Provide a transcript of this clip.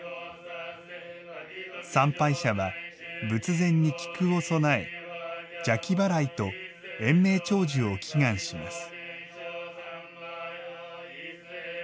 参拝者は仏前に菊を供え邪気払いと延命長寿を祈願します。